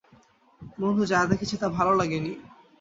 বন্ধু, যা দেখেছি তা ভালো লাগেনি।